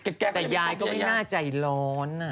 แต่ยายก็ไม่น่าใจร้อน